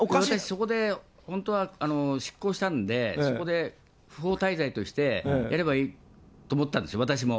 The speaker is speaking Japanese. そこで本当は、失効したんで、そこで不法滞在としてやればいいと思ったんです、私も。